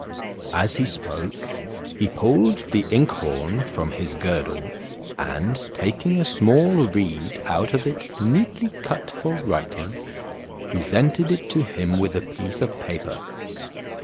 As he spoke, he pulled the inkhorn from his girdle, and taking a small reed out of it neatly cut for writing, presented it to him with a piece of paper.